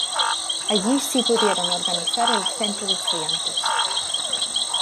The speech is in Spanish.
Allí sí pudieron organizar el Centro de Estudiantes.